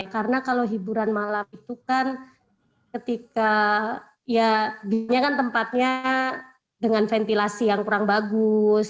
karena kalau hiburan malam itu kan ketika tempatnya dengan ventilasi yang kurang bagus